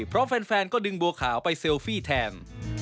เพราะแฟนก็ดึงบัวขาวไปเซลฟี่แทน